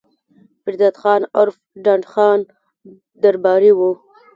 پير داد خان عرف ډنډ خان درباري وو